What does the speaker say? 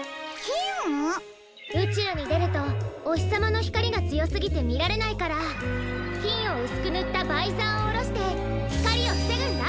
うちゅうにでるとおひさまのひかりがつよすぎてみられないからきんをうすくぬったバイザーをおろしてひかりをふせぐんだ。